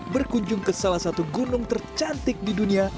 berkunjung ke salah satu gunung tercantik di dunia